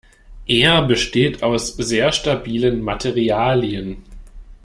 Er besteht aus sehr stabilen Materialien.